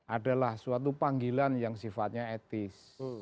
adalah suatu panggilan yang sifatnya etis